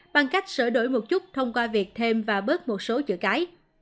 bằng cách sửa đổi một chút thông qua việc thêm và bớt một số chữ cái